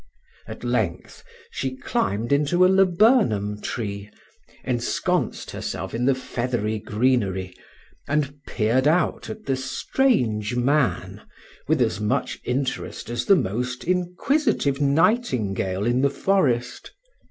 At length she climbed into a laburnum tree, ensconced herself in the feathery greenery, and peered out at the strange man with as much interest as the most inquisitive nightingale in the forest.